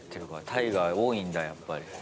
大河多いんだ、やっぱり。